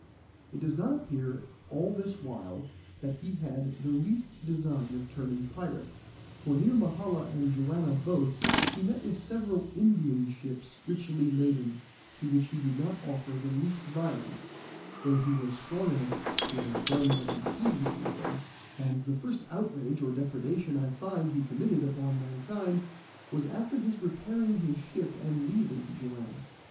It does not appear all this while that he had the least design of turning pirate, for near Mahala and Joanna both he met with several Indian ships richly laden, to which he did not offer the least violence, though he was strong enough to have done what he pleased with them; and the first outrage or depredation I find he committed upon mankind was after his repairing his ship and leaving Joanna.